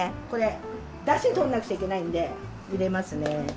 これダシとらなくちゃいけないので入れますね。